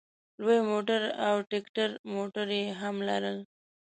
لوی موټر او ټیکټر موټر یې هم لرل.